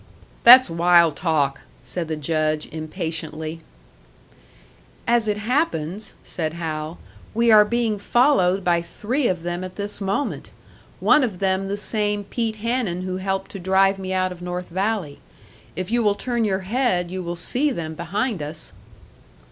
"That's wild talk!" said the Judge, impatiently. "As it happens," said Hal, "we are being followed by three of them at this moment one of them the same Pete Hanun who helped to drive me out of North Valley. If you will turn your head you will see them behind us."